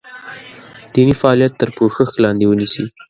دیني فعالیت تر پوښښ لاندې ونیسي.